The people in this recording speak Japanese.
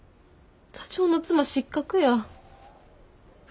座長の妻失格や。